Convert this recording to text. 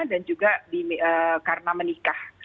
dan juga karena menikah